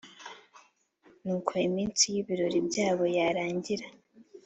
Nuko iminsi y’ibirori byabo yarangira